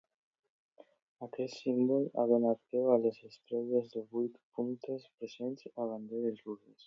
Aquest símbol ha donat peu a les estrelles de vuit puntes presents a banderes russes.